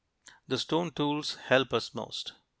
The stone tools help us most.